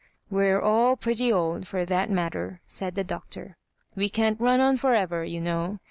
" We're all pretty old, for that matter," said the Doctor; "we can't run on for ever, you know.